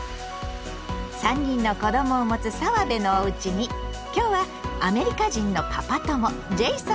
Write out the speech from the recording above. ３人の子どもを持つ澤部のおうちに今日はアメリカ人のパパ友ジェイソンが来てるわよ！